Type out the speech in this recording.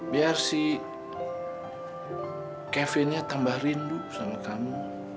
biar si kevinnya tambah rindu sama kamu